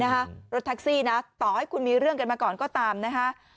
รถแท็กซี่นะต่อให้คุณมีเรื่องกันมาก่อนก็ตามนะคะ